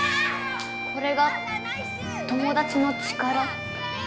これが友だちの力？